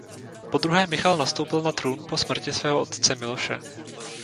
Podruhé Michal nastoupil na trůn po smrti svého otce Miloše.